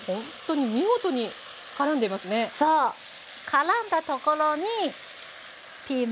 からんだところにピーマンが出ます！